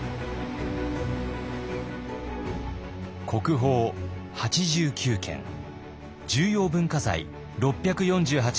国宝８９件重要文化財６４８件をはじめ